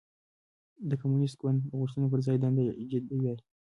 د کمونېست ګوند غوښتنو پر ځای دنده جدي وای.